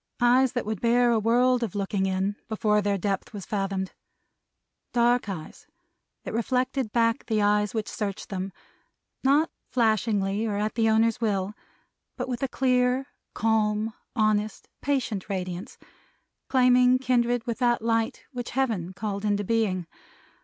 Eyes that would bear a world of looking in, before their depth was fathomed. Dark eyes, that reflected back the eyes which searched them; not flashingly or at the owner's will, but with a clear, calm, honest, patient radiance, claiming kindred with that light which Heaven called into being.